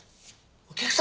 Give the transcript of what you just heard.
お客様？